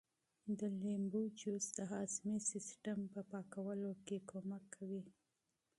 د لیمو جوس د هاضمې سیسټم په پاکولو کې مرسته کوي.